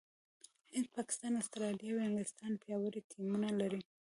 هند، پاکستان، استراليا او انګلستان پياوړي ټيمونه لري.